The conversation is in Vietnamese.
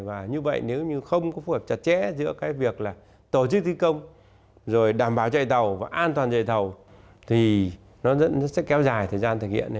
và như vậy nếu như không có phù hợp chặt chẽ giữa cái việc là tổ chức thi công rồi đảm bảo chạy tàu và an toàn chạy tàu thì nó sẽ kéo dài thời gian thực hiện